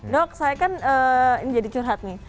dok saya kan jadi curhat nih